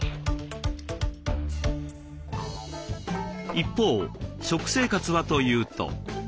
一方食生活はというと。